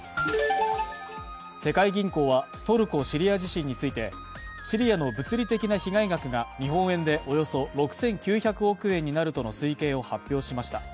世界銀行はトルコ・シリア地震についてシリアの物理的な被害額が日本円でおよそ６９００億円になるとの推計を発表しました。